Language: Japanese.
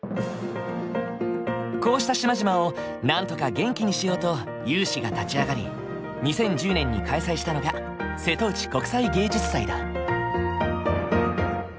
こうした島々をなんとか元気にしようと有志が立ち上がり２０１０年に開催したのが瀬戸内国際芸術祭だ。